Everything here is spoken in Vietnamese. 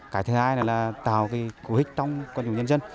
cái thứ hai là tạo cái cố hích trong quan trọng nhân dân